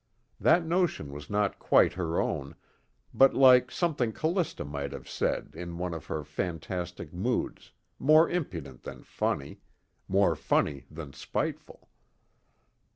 That notion was not quite her own, but like something Callista might have said in one of her fantastic moods, more impudent than funny, more funny than spiteful.